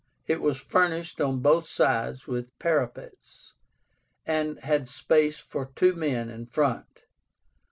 It was furnished on both sides with parapets, and had space for two men in front.